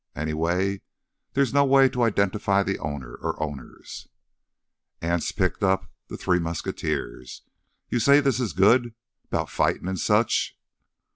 Anyway, there's no way to identify the owner or owners—" Anse picked up The Three Musketeers. "You say this is good—'bout fightin' an' such?"